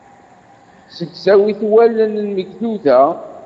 Zegzawit wallen n Megduda.